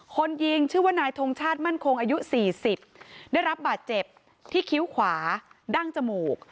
คนยิงชื่อว่านายทงชาติมั่นคงอายุ๔๐ได้รับบาดเจ็บที่คิ้วขวาดั้งจมูก